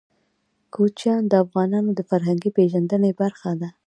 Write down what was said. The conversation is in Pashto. کوچیان د افغانانو د فرهنګي پیژندنې برخه ده.